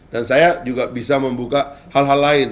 dan saya juga bisa membuka hal hal lain